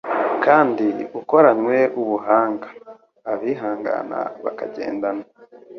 kandi ukoranywe ubuhanga. Abihangana bakagendana